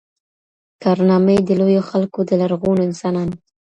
کارنامې د لویو خلکو د لرغونو انسانانو !.